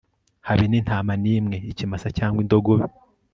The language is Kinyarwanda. habe n'intama n'imwe, ikimasa cyangwa indogobe